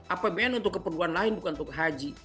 apbn untuk keperluan lain bukan untuk haji